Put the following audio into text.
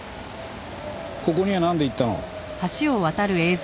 ここにはなんで行ったの？